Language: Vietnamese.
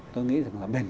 tôi nghĩ rằng là bền